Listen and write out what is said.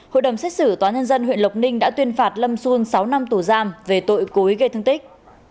hội đồng xét xử tòa nhân dân huyện lộc ninh đã tuyên phạt lâm xuân sáu năm tù giam về tội cối gây thương tích